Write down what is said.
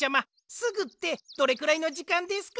「すぐ」ってどれくらいのじかんですか？